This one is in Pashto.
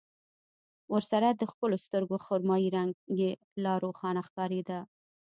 ورسره د ښکلو سترګو خرمايي رنګ يې لا روښانه ښکارېده.